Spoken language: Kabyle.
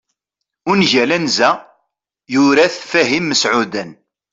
ungal anza, yura-t Fahim Meɛudan